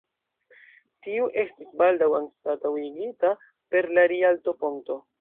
Tiu estis baldaŭ anstataŭigita per la Rialto-ponto.